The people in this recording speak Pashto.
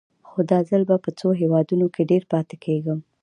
خو دا ځل به په څو هېوادونو کې ډېر پاتې کېږم.